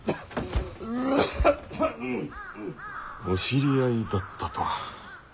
お知り合いだったとは。